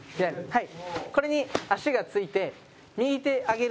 はい。